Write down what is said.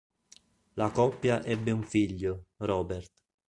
La coppia ebbe un figlio, Robert.